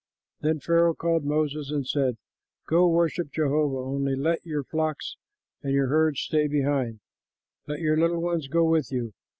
Then Pharaoh called Moses and said, "Go, worship Jehovah; only let your flocks and your herds stay behind; let your little ones go with you."